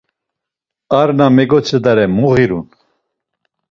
Ar na megotzedare mu ğirun?